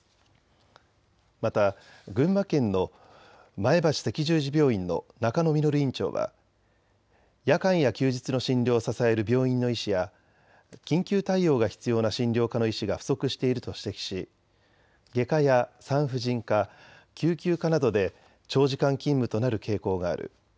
また群馬県の前橋赤十字病院の中野実院長は夜間や休日の診療を支える病院の医師や緊急対応が必要な診療科の医師が不足していると指摘し外科や産婦人科、救急科などで長時間勤務となる傾向がある。